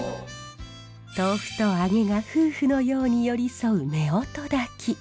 豆腐と揚げが夫婦のように寄り添う夫婦炊き。